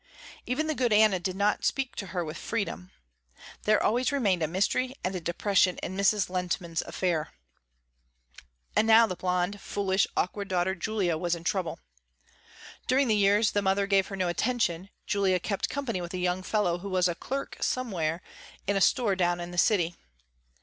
Even the good Anna did not speak to her with freedom. There always remained a mystery and a depression in Mrs. Lehntman's affair. And now the blonde, foolish, awkward daughter, Julia was in trouble. During the years the mother gave her no attention, Julia kept company with a young fellow who was a clerk somewhere in a store down in the city.